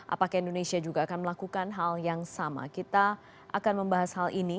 apakah indonesia juga akan melakukan hal yang sama kita akan membahas hal ini